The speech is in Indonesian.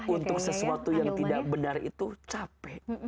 untuk sesuatu yang tidak benar itu capek